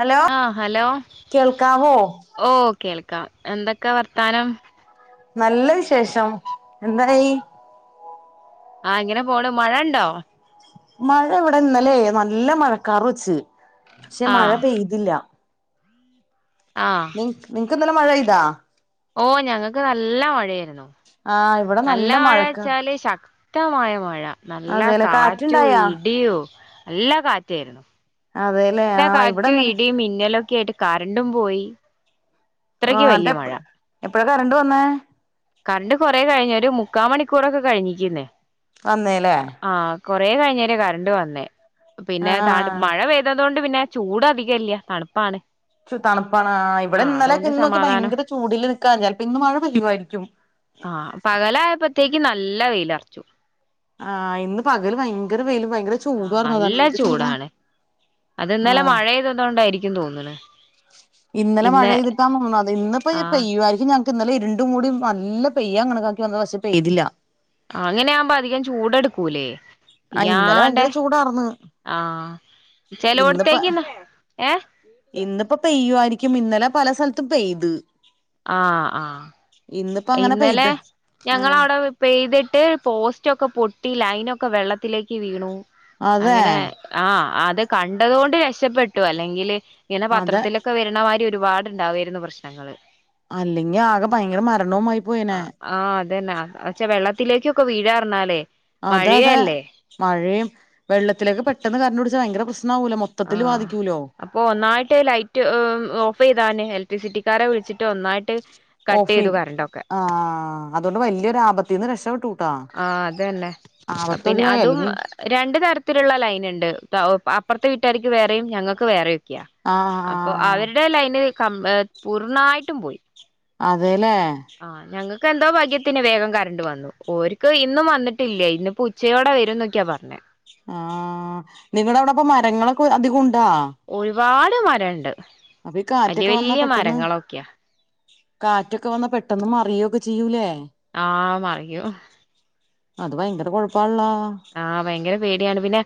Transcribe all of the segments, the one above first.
Hello ആഹ് hello കേൾക്കാവോ ഓ കേൾക്കാം എന്തൊക്കെ വർത്താനം നല്ല വിശേഷം എന്തായി ആഹ് ഇങ്ങനെ പോണ് മഴണ്ടോ മഴ ഇവടെ ഇന്നല്ലേ നല്ല മഴക്കാർ വെച്ച് പക്ഷെ മഴ ആഹ് പെയ്തില്ല ആഹ് നി നിങ്ങക്ക് ഇന്നല്ലെ മഴെയ്താ ഓ ഞങ്ങക്ക് നല്ല മഴയേയ്രുന്നു ആഹ് ഇവിടെ നല്ല മഴക്കാർ മഴചാല് ശക് ക്തമായ മഴ നല്ല അതേലെ കാറ്റു കാറ്റുണ്ടായാ ഇടിയു നല്ല കാറ്റായിരുന്നു അതേല്ലേ നല്ല ആഹ് ഇവിടെ കാറ്റും ഇന്നലെ ഇടിയും മിന്നലൊക്കെയായിട്ട് കറണ്ടും പോയി ആ അത്രയ്ക്ക് വല്യ ന്നട്ടെപ് മഴ എപ്പഴാ കറണ്ട് വന്നേ കറണ്ട് കൊറെ കഴിഞ്ഞ് ഒരു മുക്കാ മണിക്കൂറൊക്കെ കഴിഞ്ഞിക്ക്ന്ന് വന്നേല്ലേ ആഹ് കൊറേ കഴിഞ്ഞേരെ കറണ്ട് വന്നേ പിന്നെ താണ് ആഹ് മഴ പെയ്തതോണ്ട് പിന്നെ ചൂടധികല്ല തണുപ്പാണ് തണുപ്പാണ് ആഹ് ഇവടെ ഇന്നലെ അതുകൊണ്ട് ഇന്നൊക്കെ സമാധാനം ഭയങ്കര ചൂടില് നിക്കാ ചെൽപ്പ ഇന്ന് മഴ പെയ്യുവായിരിക്കും ആഹ് പകലായപ്പോത്തേക്ക് നല്ല വെയിലറ്ച്ചു ആഹ് ഇന്ന് പകല് ഭയങ്കര വെയിലും ഭയങ്കര ആഹ് ചൂടുവാർന്നു അതാണ് നല്ല എന്ത് ചൂടാ ചൂടാണ് അത് ഇന്നലെ ആഹ് മഴെയ്തതോണ്ടായിരിക്കും തോന്ന്ണ് ഇന്നലെ ഇന്ന് മഴെയ്തിട്ടാതോന്നണു അത് ഇന്ന് ഇപ്പോ ആഹ് പെയ്യുമായിരിക്കും ഞങ് ഇന്നലെ ഇരുണ്ടു മൂടി നല്ല പെയ്യാൻ കണക്കാക്കി വന്നത പക്ഷെ പെയ്തില്ല അങ്ങനെയാവുമ്പ അധികം ചൂടെട്ക്കൂല്ലേ ആ ഇന്നലെ പിയ്യാണ്ടെ ഭയങ്കര ചൂടാർന്ന് ആഹ് ചെലോടാത്തേക്ക്ന്ന് ഏ ഇന്ന്പ്പം പെയ്യുവായിരിക്കും ഇന്നലെ പല സ്ഥലത്തും പെയ്ത് ആഹ് ആഹ് ഇന്നിപ്പോ അങ്ങനെ ഇന്നലെ പെയ്ത് ആഹ് ഞങ്ങളാടെ പെയ്തിട്ട് പോസ്റ്റൊക്കെ പൊട്ടി ലൈനൊക്കെ വെള്ളത്തിലേക്ക് വീണു അതെ അങ്ങനെ ആഹ് അത് കണ്ടതോണ്ട് രക്ഷപ്പെട്ടു അല്ലെങ്കിൽ ഇങ്ങനെ അതെ പത്രത്തിലൊക്കെ വര് വെര്ണമായിരി ഒരുപാടുണ്ടാവേയ്രുന്നു പ്രശ്നങ്ങള് അല്ലെങ്കിൽ ആകെ ഭയങ്കര മരണവുമായി പോയേനെ ആഹ് അതെന്നാ വെച്ചാ വെള്ളത്തിലേക്കൊക്കെ വീഴാറിഞ്ഞാലേ അത അതെ മഴയും വെള്ളത്തിലേക്ക് പെട്ടെന്ന് കരണ്ട് പിടിച്ചാൽ ഭയങ്കര പ്രശ്നവൂല മൊത്ത് ആഹ് അപ്പൊ ഒന്നായിട്ട് ലൈറ്റ് ഓഫെയ്താന് എലക്ട്രിസിറ്റിക്കാരെ വിളിച്ചിട്ട് ഒന്നായിട്ട് കട്ട് ചെയ്തു ഓഫിൻ കറണ്ടൊക്കെ ആഹ് അതോണ്ട് വല്ല്യൊരാപത്തീന്ന് രക്ഷപ്പെട്ടു ആഹ് ആപത്തൊഴിവായി അല്ലങ്കി രണ്ടു തരത്തില്ള്ള ലൈന്ണ്ട് അപ്പർത്തെ വീട്ടാർക്ക് വേറിം ഞങ്ങക്ക് വേറിം ആഹ് അപ്പൊ ആഹ് അവരുടെ ലൈന് കം ഏ പൂർണ്ണായിട്ടും പോയി അതേലേ ആഹ് ഞങ്ങക്കെന്തോ ഭാഗ്യത്തിന് വേഗം കറണ്ട് വന്നു ഓര്ക്ക് ഇന്നും വന്നിട്ടില്ല ഇന്ന്പ്പോ ഉച്ചയോടെ വരുംന്നൊക്കെയാ പറഞ്ഞെ ആഹ് നിങ്ങളവടെപ്പം മരങ്ങളൊക്കെ അധികുണ്ടാ ഒരുപാട് മരംണ്ട് ഈ വല്ല്യ കാറ്റൊക്കെ വന്നാ വല്ല്യ പെട്ടെന്ന് മരങ്ങളൊക്കെയാ കാറ്റൊക്കെ വന്നാ പെട്ടെന്ന് മറിയൊക്കെ ചെയ്യൂലേ ആ മറിയും അത് ഭയങ്കര കൊഴപ്പാള്ളോ ആഹ് ഭയങ്കര പേടിയാണ് പിന്നെ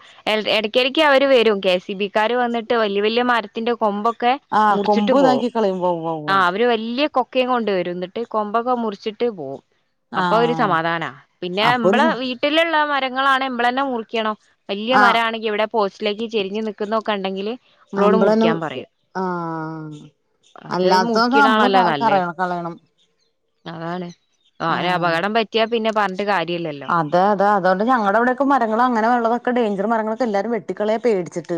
എടയ്ക്കിടക്ക് അവര് വരും കെ സി ബിക്കാര് വന്നിട്ട് വല്ല്യ വല്ല്യ മരത്തിന്റെ കൊമ്പൊക്കെ ആഹ് മുറിച്ചിട്ട് കൊമ്പ് പോ ഇതാക്കി കളയും ഉവ്വ ഉവ്വ ആ ഉവ്വ അവര് വല്ല്യ കൊ കൊക്കിം കൊണ്ട് വരും ന്നിട്ട് കൊമ്പൊക്കെ മുറിച്ചിട്ട് പോവും അപ്പൊ ഒരു ആഹ് സമാധാന പിന്നെ അപ്പൊ ഒരു നമ്മള സ വീ വീട്ടിലുള്ള മരങ്ങളാണ് ഇമ്മൾ തന്നെ മൂറിക്കണം വല്ല്യ ആഹ് മരാണെങ്കിൽ ഇവിടെ പോസ്റ്റിലേക്ക് ചരിഞ്ഞഞ് നിക്കുന്നതൊക്കെ ഇണ്ടെങ്കില് അമ്പളന്നും ആഹ് അത് അല്ലാത്തൊക്കെ നമ്മള് മുറിക്കണാണല്ലോ നല്ലേ കറയണം കളയണം അതാണ് വ ആഹ് അപകടം പറ്റിയാ പിന്നെ പറഞ്ഞിട്ട് കാര്യല്ലല്ലോ അതെ അത അതൊ ണ്ട്ഞണ്ട ഇവിടൊക്കെ മരങ്ങള അങ്ങനെ ഉള്ളതൊക്കെ ടൈഞ്ചർ മരങ്ങളക്കെ എല്ലാരും വെട്ടിക്കളയ പേടിച്ചട്ട്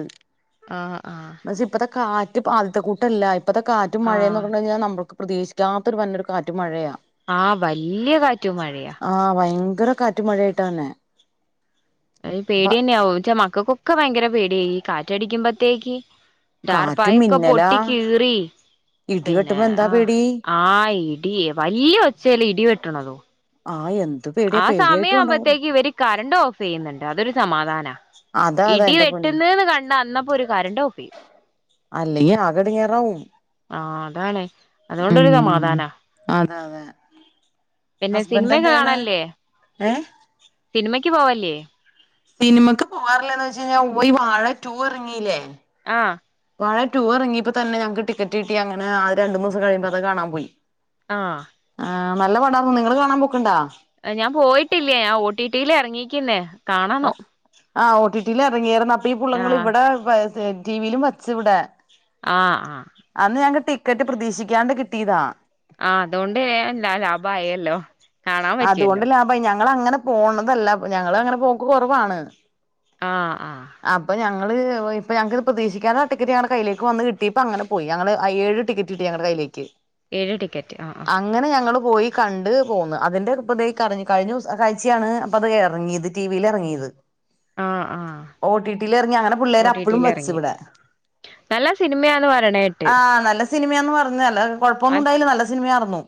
ആഹ ആഹ് പക്ഷെ ഇപ്പത്തെ കാറ്റ് ആദ്യത്തെ കൂട്ടല്ല ഇപ്പത്തെ കാറ്റും മഴയന്ന് ആഹ് പറഞ്ഞു കഴിഞ്ഞാൽ നമ്മുക്ക് പ്രതീക്ഷിക്കാത്തൊരു വന്നൊരു കാറ്റ് മഴയാ ആഹ് വല്ല്യ കാറ്റു മഴയാ ആഹ ഭയങ്കര കാറ്റ് മഴായിട്ട വന്നെ പേടിന്നാവുംച്ചാ മക്കൾക്കൊക്കെ ഭയങ്കര പേടിയായി കാറ്റടിക്കുമ്പോത്തേക്ക് ഡാർ കാറ്റും പായൊക്കെ മിന്നലാ പൊട്ടി കീറി ഇടി പിന്നെ വെട്ടുമ്പോ എന്താ ആ് പേടി ആ ഇടി വല്ല്യ ഒച്ചേല് ഇടി വെട്ടണതു ആയന്ന് ആ സമയം ആവുമ്പഴത്തേക്ക് ഇവര് കറണ്ട് ഓഫ് ചെയ്യുന്നുണ്ട് അതൊരു സമാധാനാ അതാ അതാ ഇടി എന്റെ പൊന്നോ വെട്ടുന്ന്ന്ന് കണ്ട അന്നപ്പോ ഓര് കരന്റ് ഓഫ് ചെയ്യും അല്ലെങ്കി ആകെ എടങ്ങേറാവും ആഹ് അതാണ് ഉം അതുകൊണ്ടൊരു സമാധാനാ അതെ അതെ പിന്നെ സിനിമ ഹസ്ബൻഡ് എന്ത് ഒക്കെ ചെയ്യണ് കാണല്‌ല്ലേ ഏഹ് സിനിമക്ക് പോവല്ലേ സിനിമക്ക് പോവാറില്ലെന്ന് ചോദിച്ച് കഴിഞ്ഞാ ഇപ്പയി വാഴ ടൂ ഇറങ്ങില്ലേ ആഹ് വഴ ടൂ ഇറങ്ങിയപ്പോ തന്നെ ഞങ്ങക്ക് ടിക്കറ്റ് കിട്ടി അങ്ങനെ ആ രണ്ടു മൂന്ന് ദിവസം കഴിയുമ്പോ അത് കാണാൻ പോയി ആഹ് ആഹ് നല്ല പട്ടാന്ന് നിങ്ങള് കാണാൻ പോക്ക്ണ്ടോ ഞാൻ പോയിട്ടില്ലേ ഞാൻ ഓ ടി ടിൽ ഇറങ്ങീക്ക്ന്നേ ആ ഓ ടി ടിൽ ഇറങ്ങിയിരുന്നു അപ്പ ഈ പുള്ള്ങ്ങൾ ആഹ് ഇവിടെ ടിവിയിലും വച്ച് ഇവിടെ ആഹ് ആഹ് അന്ന് ഞങ്ങക്ക് ടിക്കറ്റ് പ്രതീക്ഷിക്കാണ്ട് കിട്ടിയതാ ആഹ് അതുകൊണ്ട് വേഗം ലാഭായല്ലോ കാണാൻ അതുകൊണ്ട് പറ്റിയല്ലോ ലാഭം ആയി ഞങ്ങ അങ്ങനെ പോണതല്ല ഞങ്ങ അങ്ങനെ പോക്ക് കുറവാണ് ആഹ് ആഹ് അപ്പൊ ഞങ്ങള് ഇപ്പ ഞങ്ങൾക്ക് ഇത് പ്രതീക്ഷിക്കാത്ത ടിക്കറ്റ് ഞങ്ങളുടെ കയ്യിലേക്ക് വന്ന് കിട്ടിയപ്പോ അങ്ങനെ പോയി ഞങ്ങള് അ ഏഴ് ടിക്കറ്റ് കിട്ട് ഞങ്ങളെ കയ്യിലേക്ക് ഏഴ് ടിക്കറ്റ് ആ ആ അങ്ങനെ ഞങ്ങൾ പോയി കണ്ട് പോന്നത് അതിന്റെ ഇപ്പംതേ അറിഞ്ഞു കഴിഞ്ഞ ആഴ്ചയാണ് അപ്പൊ അത് ഇറങ്ങിയത് ടി വിയിൽ ഇറങ്ങിയത് ആഹ് ആഹ് ഓ ടി ടിൽ ഇറങ്ങി അങ്ങനെ ഒ പിള്ളേര് ടി അപ്പഴും ടിയിൽ വെച്ചു എറങ്ങി ഇവിടാ നല്ല സിനിമയാന്ന് പറയണ കേട്ട് സിനിമയന്ന് പറഞ്ഞ് നല്ല കൊഴപ്പൊന്നും ഉണ്ടായില്ല നല്ല സിനിമയായിരുന്നു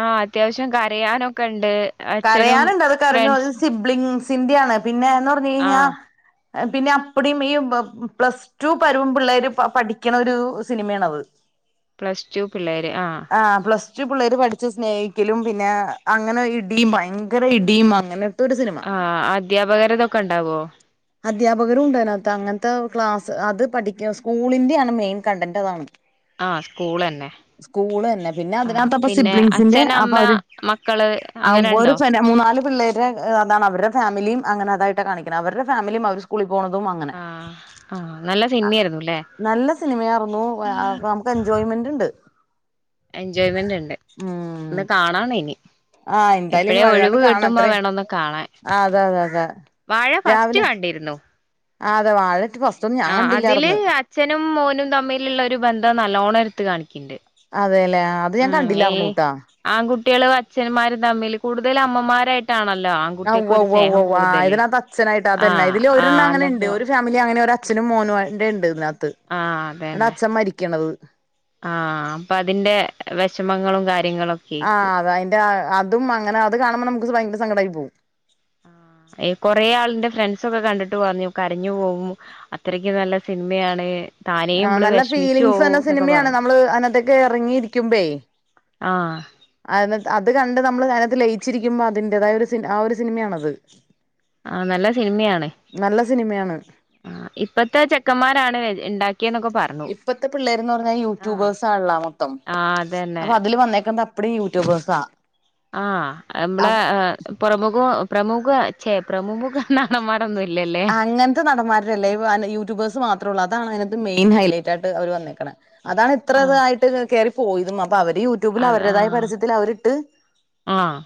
ആഹ് അത്യാവശ്യം കരയാനൊക്കെ ഉണ്ട് അച്ഛനും കരയാനുണ്ട് അത് കരഞ്ഞു അത് ഫ്രണ്ട്സ് സിബ്ലിങ്സിന്റെ ആണ് പിന്നെ എന്ന് പറഞ്ഞു കഴിഞ്ഞാൽ ആഹ് പിന്നെ അപ്പിടീം ഈ പ്ലസ് ട്ടുവും പരുവം പിള്ളേര് പഠിക്ക്ണ ഒരു സിനിമയാണത് പ്ലസ് ടു പിള്ളേർ ആഹ് ആ പ്ലസ് ടു പിള്ളേര് പഠിച്ച് സ്നേഹിക്കലും പിന്നെ അങ്ങനെ ഇടിയും ഭയങ്കര ഇടിയും അങ്ങനെ ആഹ് അദ്ധ്യാപകരതൊക്കെ ഉണ്ടാവോ അധ്യാപകരും ഉണ്ട് അതിനകത്ത് അങ്ങനത്തെ ക്ലാസ്സ് അത് പഠിക്ക സ്കൂളിന്റെയാണ് മെയിൻ കണ്ടന്റ് അതാണ് ആഹ് സ്കൂളന്നെ സ്കൂള് തന്നെ പിന്നെ ആഹ് അതിനകത്ത്പ്പൊ പിന്നെ സിബ്ലിങ്സിന്റെ അച്ഛൻ അപ്പൊ അമ്മ അവര് മക്കള് അങ്ങനെ ഉണ്ടോ [unintelligible] മൂന്നാല് പിള്ളേര് അതാണ് അവരുടെ ഫാമിലിയും അങ്ങനെ അതായിട്ട് കാണിക്കണ് അവരുടെ ഫാമിലിയും അവ സ്കൂളിൽ പോണതും അങ്ങനെ ആഹ് ആഹ് നല്ല ആ സിനിമയായിരുന്നുല്ലേ നല്ല സിനിമയായിരുന്നു നമുക്ക് എൻജോയ്മെന്റ് ഉണ്ട് എൻജോയ്മെന്റ് ഉണ്ട് ഉം ഒന്ന് കാണാണം ഇനി ആഹ് എന്തായാലും എപ്പഴേ ഇനി വൈകാണ്ട് ഒഴിവ് കാണാം കിട്ടുമ്പോ അത്രേ വേണം ഒന്ന് കാണാൻ ആഹ് അതെ അതെ അതെ വാഴ ഫസ്റ്റ് കണ്ടിരുന്നു ആ അതെ വാഴ ടു ഫസ്റ്റ് ഒന്നും ഞാൻ ആ അതില് കണ്ടില്ലാർന്ന് അച്ഛനും മോനും തമ്മിലുള്ള ഒരു ബന്ധം നല്ലോണം എടുത്ത് കാണിക്ക്ണ്ട് അതെല്ലെ അത് ഞാൻ ഉം ഏ കണ്ടില്ലറുന്നൂട്ടെ ആൺകുട്ടികളും അച്ഛന്മാരും തമ്മിൽ കൂടുതല് അമ്മമാരായിട്ടാണല്ലോ ആൺകുട്ടികൾക്ക് ഉവ്വ് ഒരു ഉവ്വ് സ്നേഹം ഉവ്വ് ആ കൂടുതല് ഇതിനകത് അച്ഛനായിട്ട് അതന്നെ ആഹ് ഇതില് ഒരെണ്ണം ആഹ് അങ്ങനെ ഇണ്ട് അന്നപ്പോ ഒരു ഫാ മിലി അങ്ങനെ ഒരു അച്ഛനും മോനും ഉണ്ട് ഇതിനകത്ത് ആഹ് എണ്ട് അതന്നെ അച്ഛൻ മരിക്കണത് ആഹ് അപ്പൊ അതിന്റെ വിഷമങ്ങളും കാര്യങ്ങളൊക്കെ ആഹ് അതെ അതിന്റെ അതും അങ്ങനെ അത് കാണുമ്പോ നമുക്ക് ഭയങ്കര സങ്കടമായി പോകും കൊറെ ആളിന്റെ ഫ്രണ്ട്സ് ഒക്കെ കണ്ടിട്ട് പറഞ്ഞു കരഞ്ഞു പോകും അത്രക്ക് നല്ല സിനിമയാണ് താനേ ആ ഇവള് നല്ല വിഷമിച്ചു ഫീലിംഗസ് തന്ന പോവും നല്ല എന്നൊക്കെ സിനിമയാണ് പറഞ്ഞു നമ്മള് അതിനത്തൊക്കെ ഇറങ്ങിയിരിക്കുമ്പെ ആഹ് അ അത് കണ്ട് നമ്മള് അതിനകത്ത് ലയിച്ചിരിക്കുമ്പോ അതിന്റെതായ ഒരു സി ആ ഒരു സിനിമയാണത് ആഹ് നല്ല സിനിമയാണ് നല്ല സിനിമയാണ് ആ ഇപ്പഴത്തെ ചെക്കന്മാരാണ് ഉണ്ടാക്കിയെന്നൊക്കെ പറ ഇപ്പത്തെ പിള്ളേർന്ന് പറഞ്ഞാൽ യൂട്യൂബേഴ്സ് ആണല്ലോ മൊത്തം ആഹ് അതന്നെ അ അതില് വന്നേക്ക അപ്പടീം യൂട്യൂബേഴ്സാ ആ നമ്മളെ അപ് പ്രമുഖ പ്രമുഖഛേ പ്രമുഖുഖ നടൻ മാരെ ഒന്നും ഇല്ലല്ലേ ഇത്ര നടന്മാരല്ലേ യൂട്യബേ്സ് മാത്ര ഉള്ള അതാണ് അതിനകത്ത് മെയിൻ ഹൈലൈറ്റ് ആയിട്ട് അവർ വന്നേക്കണം അതാണ് ഇത്ര ആഹ് ഇായിട്ട് കയറി പോയതും അപ്പൊ അവര് യൂ ട്യൂബിൽ അത് അവരുടേതായ ആഹ് പരസ്യത്തിൽ അവരിട്ട് ആഹ്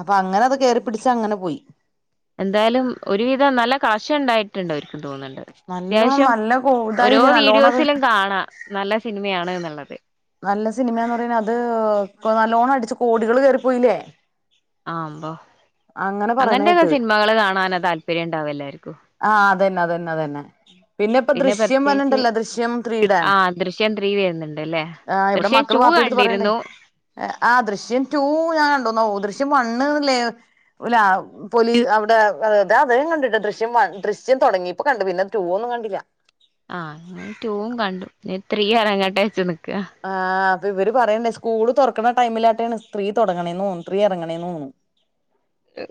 അപ്പൊ അങ്ങനെ അത കേയറിപ്പിടിച്ച അങ്ങനെ പോയി എന്തായാലും ഒരുവിധം നല്ല കാശുണ്ടായിട്ട് ട്ട്ണ്ട് അവർക്ക് തോന്നുന്നുണ്ട് നല്ലോണം അത്യാവശ്യം നല്ല കോ ഓരോ ഇതായില്ലേ നല്ലോണം അത് വീഡിയോസിലും കാണാം നല്ല സിനിമയാണ് എന്നുള്ളത് നല്ല സിനിമന്ന് പറയണത് അത് നല്ലോണം അടിച്ചു കോടികൾ കേയറിപ്പോയില്ലേ ആകുബോ പറയണ അങ്ങനത്തെക്കെ കേട്ട് സിനിമകള് കാണാന താല്പര്യം ഉണ്ടാവല്ല എല്ലാരിക്കും ആഹ് അതെന്നെ അതെന്നെ അതന്നെ പിന്നെ ഇപ്പൊ ദൃശ്യം വരുണ്ടല്ലോ ദൃശ്യം ത്രീയുടെ ആഹ് ദൃശ്യം ത്രീ വരുന്നുണ്ട് അല്ലേ ആ ഇവിടെ ദൃശ്യം മക്കള് ടു വാപ്പി അടുത്ത് പറയണ്ടേ കണ്ടിരുന്നു ആ ദൃശ്യം ടൂ ഞാൻ കണ്ടുന്നു ഓ ദൃശ്യം വണ്ണ് ല്ലേ ഓല്ല പോലീസ് അവിടെ അതെ ഇതാ ഇവരും കണ്ടിട്ട ദൃശ്യ ദൃശ്യം വൺ ദൃശ്യം തുടങ്ങയിപ്പോൊ കണ്ട പിന്നെ ടു ഒന്നും കണ്ടില്ല ആഹ് ടൂ കണ്ടു ത്രീ യെറങ്ങോട്ടെ വെച്ച് നിക്ക ആഹ് അപ്പൊ ഇവര് പറയണ്ടേ സ്കൂള് തുറക്കണ ടൈമിലാട്ടാണ് സ്ത്രീ തുടങ്ങണേന്ന് തോന്നു ത്രീ ഇറങ്ങണേ തേന്നുണു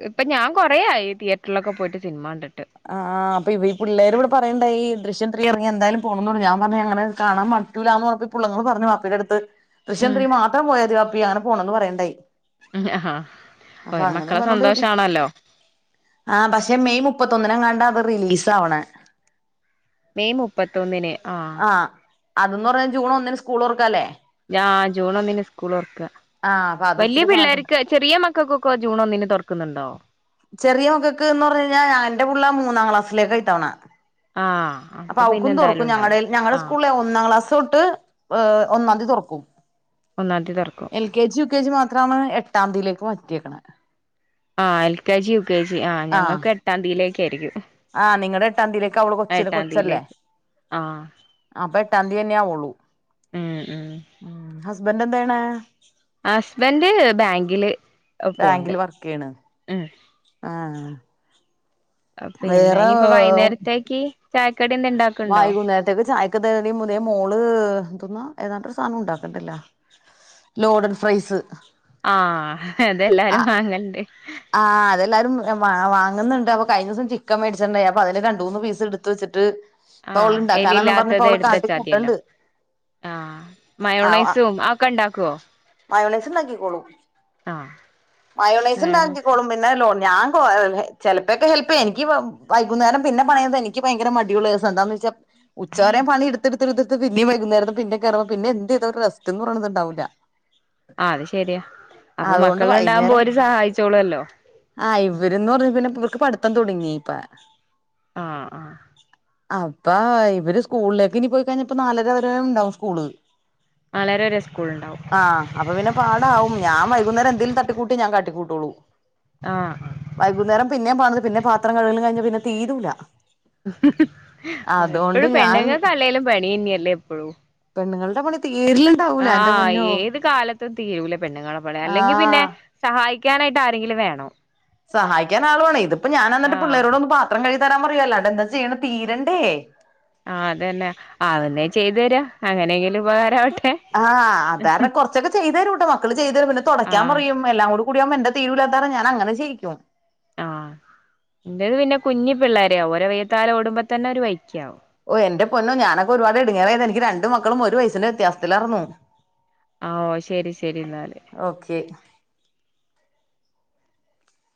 ഇപ്പൊ ഞാൻ കുറേയായി തിയേറ്ററിലൊക്കെ പോയിട്ട് സിനിമ കണ്ടിട്ട് ആഹ് അപ്പൊ ഇപ്പ ഈ പിള്ളേര് ഇവിടെ പറയണ്ടായി ദൃശ്യം ത്രീ ഇറങ്ങിയ എന്തായാലും പോണം ഞാൻ പറഞ്ഞങ്ങനെ കാണാൻ പറ്റൂലാന്ന് പറഞ്ഞു പിള്ളേര് പറഞ്ഞു വാപ്പിന്റെടുത്ത് ദൃശ്യം ഉം ത്രീ മാത്രം പോയ മതി വാപ്പി അങ്ങനെ പോണന്ന് പറയണ്ടായി ഉം ആഹ് ഒരു മക്കളെ സന്തോഷാണല്ലോ ആ പക്ഷെ മെയ് മുപ്പത്തൊന്നിനെങ്ങാണ്ട അത് റിലീസ് ആവണെ മെയ് മുപ്പത്തൊന്നിന് ആഹ് അതന്ന് പറഞ ജൂൺ ഒന്നിന് സ്കൂൾ തോറക്കല്ലേ ഞാൻ ജൂണോന്നിന് സ്കൂള് തുറുക്ക ആഹ് പ വല്യ പിള്ളേർക്ക് ചെറിയ മക്കക്കൊക്കെ ജൂൺ ഒന്നിന് തുറക്കുന്നുണ്ടോ ചെറിയ മക്കക്ക് എന്ന് പറഞ് കഴിഞ്ഞാ എന്റെ പിള്ള മൂന്നാം ക്ലാസിലേക്കാ ഇത്തവണ ആഹ് അപ്പൊ പിന്നെന്താലും. ഞങ്ങള, ഞങ്ങളുടെ സ്കൂളെ ഒന്നാം ക്ലാസ് തോട്ട്, ഒന്നാം തീയതി തുറക്കും. ഒന്നാതി തുറക്കും. L K G U K G മാത്രാണ്. എട്ടാം തീയതിയിലേക്ക് മാറ്റിയേക്കണേ. ആഹ്, L K G, U K G ആഹ്, ഞങ്ങൾക്ക് എട്ടാം തീയതിയിലേക്കായിരിക്കും. ആഹ്, നിങ്ങളടെ എട്ടാം തിയിലേക്ക് അവള് കൊച്ച്ല്, എട്ടാം കൊച്ചല്ലേ? തീയതിയിലേക്ക് ആഹ് അപ്പൊ, ഏട്ടാൻ തിതന്നെയാവുള്ളൂ. ഉം, ഉം ഉം, ഹസ്ബന്റെ ന്താ ചെയ്യണേ? ഹസ്ബന്റ് ബാങ്കില് പോണ്ട്, ബാങ്കില് വർക്ക് ചെയ്യണ് ഉം. ആഹ് പിന്നെ, വേറെ ഇനിയിപ്പോ വൈകുന്നേരത്തേക്ക്, ചായക്കടി എന്ത ഇണ്ടാക്ക ണ്ടോ? ന്തേക്ക് ചായക്കന്ത കടി മോള്, എന്തുന്ന ഏതാണ്ടൊരു സാധനം ഉണ്ടാക്കുന്നുണ്ട ല്ലോ? Loaded fries. ആഹ്, അതെല്ലാരും ആഹ് വാങ്ങണ്ട്. ആഹ്, അതെല്ലാരും വാ, വാങ്ങുന്നുണ്ട്. അപ്പൊ, കഴിഞ്ഞസം ചിക്കൻ മേടിച്ചിട്ടുണ്ടായി. അപ്പൊ, അതിന്ന് രണ്ടൂ, മൂന്ന് പീസ് എടുത്ത് വെച്ചിട്ട്. ഇപ്പൊ, ആഹ് അവളുണ്ടാക്കാ നന്ന് പറഞ്ഞിപ്പം എലില്ലാത്തത് അവള് കാട്ടി എടുത്തച്ചാതിയല്ലോ കൂട്ടണ്ട്. ആഹ്, മയോണൈസും ആഹ്, ഒക്കെ ഉണ്ടാക്കോ? മയോണീസ് ഉണ്ടാക്കിക്കോളും. ആഹ് മയോണൈസ് ഉണ്ടാക്കിക്കോളും. ഞാൻ, കോ, ചെലപ്പോക്കെ ഹെൽപ് ചെയ്യും. എനിക്ക് വൈകുന്നേരം പിന്നെ പണയുന്നത് എനിക്ക്. എനിക്ക് ഭയങ്കര മടിയുള്ളസ്സ ന്താന്ന് വച്ചാ ഉച്ച വരെ പണിയെടുത്ത് എടുത്ത് പിന്നേം, വൈകുന്നേരം പിന്നേ, കേറും പിന്നെ, എന്ത് ചെയത റസ്റ്റൊന്നും ഉണ്ടാവൂല്ല. ആഹ്, അത് ശരിയാ. അപ്പൊ, അതുകൊണ്ട് മക്കള വൈകുന്നേരം ഉണ്ടാവുമ്പോര് സഹായിച്ചോള ല്ലോ? ആഹ്, ഇവരന്ന് പറഞ്ഞ. പിന്നെ ഇവർക്ക് പഠത്തം തുടങ്ങി. ഇപ്പ ആഹ്, ആഹ് അപ്പ, ഇവര് സ്കൂളിലേക്ക് ഇനി പോയി കഴിഞ്ഞ പ്പോ, നാലര വരെ ഉണ്ടാവും സ്കൂള്. നാലര വരെ, സ്കൂൾ ഉണ്ടാവും. ആഹ്, അപ്പ പിന്നെ, പാടാവും. ഞാൻ വൈകുന്നേരം എന്തേലും തട്ടി കൂട്ടി ഞാൻ കാട്ടിക്കൂട്ടുളൂ. ആഹ് വൈകുന്നേരം പിന്നേം പണി, ത് പിന്നെ, പത്രം കഴുകലും കഴിഞ്ഞ പിന്നെ തീരൂല. അതുകൊണ്ട് എപ്പഴും ഞാൻ പെണ്ണുങ്ങൾക്കല്ലേ ലും പണി തന്നെയല്ലേ എപ്പഴും. പെണ്ണുങ്ങളെടെ പണി തീരല് ആഹ്, ഏത് കാലത്തും തീരൂല പെണ്ണുങ്ങളെ പണി. അല്ലെങ്കിൽ പിന്നെ ആഹ് സഹായിക്കാനായിട്ട് ആരെങ്കിലും വേണം. സഹായിക്കാനാള് വേണേ. ഇതിപ്പോ ഞാൻ എന്നിട്ട് ആഹ് പിള്ളേരോടൊന്ന് പാത്രം കഴികി തരാൻ പറയും, അല്ലാണെന്താ ചെയ്യണ തീരണ്ടേ? ആഹ്, അതന്നെ ആവുന്നേ ചെയ്തു തരാ, അങ്ങനെയെങ്കിലും ഉപകാരവട്ടെ. ആഹ്, അതാ പറഞ്ഞേ കുറച്ചൊക്കെ ചെയ്തരുട്ടോ? മക്കള് ചെയ്ത് തരും. പിന്നെ തുടക്കാൻ ആഹ് പറയും. എല്ലാം കൂടിയാവുമ്പോ എന്റെ തീരുല്ലാ. ത്ത ഞാൻ അങ്ങന ചെയ്യിക്കും. ആഹ്, എന്റെ പിന്നെ കുഞ്ഞി പിള്ളേരാ. ഓരോ വയ്ത്താലെ ഓടുമ്പോ തന്നെ ഒരു വൈക്കാവും. ഓ, എന്റെ പൊന്നു ഞാനൊക്കെ ഒരുപാട് ഇടുങ്ങേറായത്. എനിക്ക് രണ്ട് മക്കളും ഒരു വസ്സിന്റെ വ്യത്യാസത്തില യിരുന്നു. ആഹ്, ഓ ശരി, ശരി എന്നാല് ഓക്കെ